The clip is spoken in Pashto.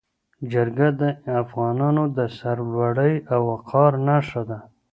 جرګه د افغانانو د سرلوړۍ او وقار نښه ده.